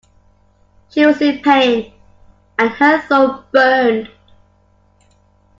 She was in pain, and her throat burned.